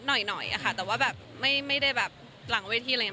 หน่อยหน่อยอะค่ะแต่ว่าแบบไม่ไม่ได้แบบหลังเวทีอะไรงั้น